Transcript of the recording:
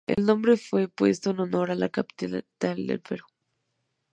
El nombre fue puesto en honor a la capital del Perú.